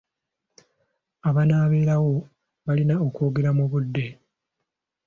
Abanaabeerawo balina okwogera mu budde.